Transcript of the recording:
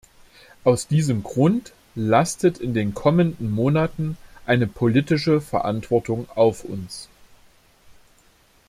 Aus diesem Grund lastet in den kommenden Monaten eine politische Verantwortung auf uns.